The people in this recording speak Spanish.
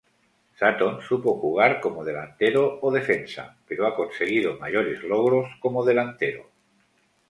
Sutton supo jugar como delantero o defensa, pero ha conseguido mayores logros como delantero.